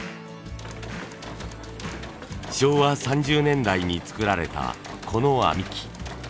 昭和３０年代に作られたこの編機。